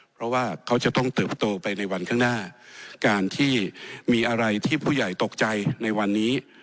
เพราะว่าเขาจะต้องเติบโตไปในวันข้างหน้าการที่มีอะไรที่ผู้ใหญ่ตกใจในวันนี้